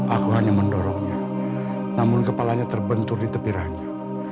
aku hanya mendorongnya namun kepalanya terbentur di tepiranya